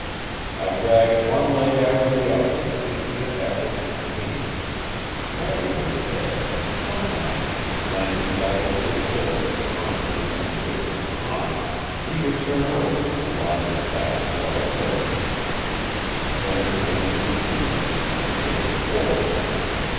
I dragged one leg after the other with infinite effort and pain; Harry was ahead, and sometimes, glancing back over his shoulder to find me at some distance behind, he would turn over and lie on his back till I approached. Then again to his knees and again forward.